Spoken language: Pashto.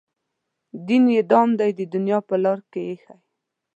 دین یې دام دی د دنیا په لار کې ایښی.